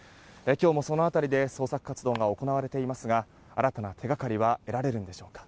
今日もその辺りで捜索活動が行われていますが新たな手掛かりは得られるのでしょうか。